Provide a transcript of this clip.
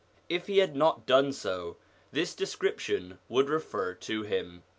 If he had not done so, this description would refer to him.